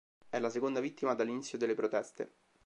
È la seconda vittima dall'inizio delle proteste.